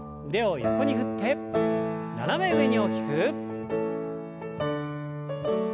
腕を横に振って斜め上に大きく。